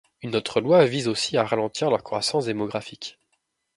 Une autre loi vise aussi à ralentir leur croissance démographique.